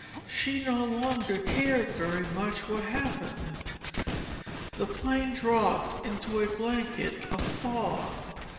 She no longer cared very much what happened. The plane dropped into a blanket of fog.